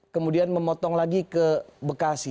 kemudian memotong lagi ke bekasi